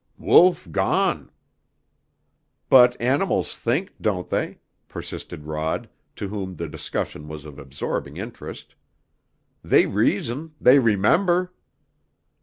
"Wolf gone!" "But animals think, don't they?" persisted Rod, to whom the discussion was of absorbing interest. "They reason, they remember!"